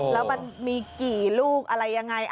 แล้วมันมีกี่ลูกอะไรยังไง